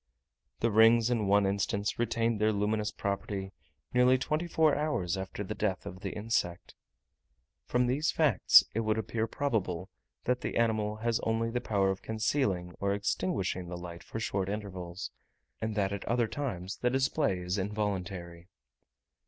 The rings in one instance retained their luminous property nearly twenty four hours after the death of the insect. From these facts it would appear probable, that the animal has only the power of concealing or extinguishing the light for short intervals, and that at other times the display is involuntary.